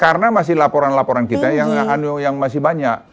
karena masih laporan laporan kita yang masih banyak